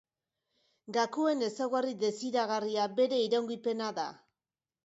Gakoen ezaugarri desiragarria bere iraungipena da.